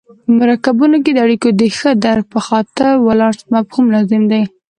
په مرکبونو کې د اړیکو د ښه درک په خاطر ولانس مفهوم لازم دی.